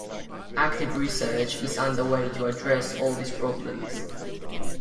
Active research is underway to address all these problems.